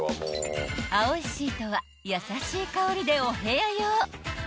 ［青いシートは優しい香りでお部屋用］